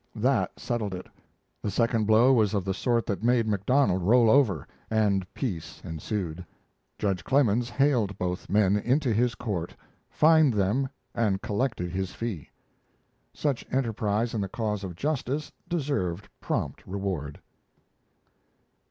That settled it. The second blow was of the sort that made MacDonald roll over, and peace ensued. Judge Clemens haled both men into his court, fined them, and collected his fee. Such enterprise in the cause of justice deserved prompt reward.